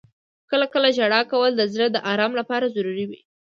• کله کله ژړا کول د زړه د آرام لپاره ضروري وي.